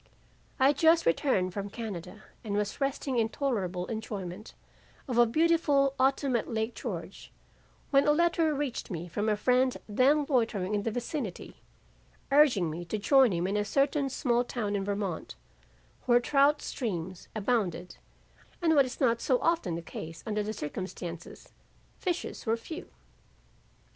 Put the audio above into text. "I had just returned from Canada and was resting in tolerable enjoyment of a very beautiful autumn at Lake George, when a letter reached me from a friend then loitering in the vicinity, urging me to join him in a certain small town in Vermont where trout streams abounded and what is not so often the case under the circumstances, fishers were few.